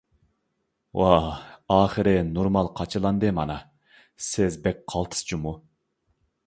ۋاھ ئاخىرى نورمال قاچىلاندى، مانا سىز بەك قالتىس جۇمۇ.